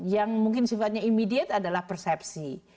yang mungkin sifatnya immediate adalah persepsi